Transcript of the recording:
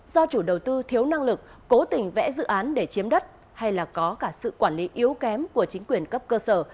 do chủ đầu tư thiếu năng lực cố tình vẽ dự án để chiếm đất hay là có cả sự quản lý yếu kém của chính quyền cấp cơ sở